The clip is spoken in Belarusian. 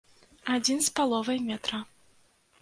Адзін з паловай метра.